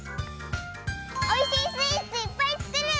おいしいスイーツいっぱいつくる！